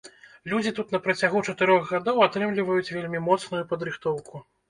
Людзі тут на працягу чатырох гадоў атрымліваюць вельмі моцную падрыхтоўку.